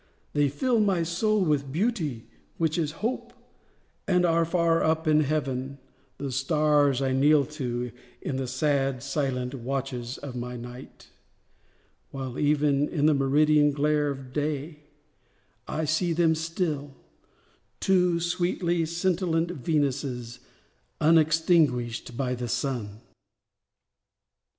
They fill my soul with Beauty (which is Hope), And are far up in Heaven—the stars I kneel to In the sad, silent watches of my night; While even in the meridian glare of day I see them still—two sweetly scintillant Venuses, unextinguished by the sun!